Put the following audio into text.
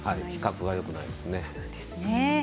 比較はよくないですね。